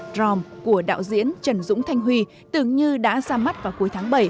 drom của đạo diễn trần dũng thanh huy tưởng như đã ra mắt vào cuối tháng bảy